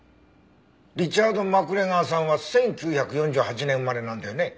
リチャード・マクレガーさんは１９４８年生まれなんだよね？